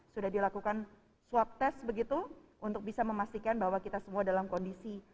sudah dilakukan swab test begitu untuk bisa memastikan bahwa kita semua dalam kondisi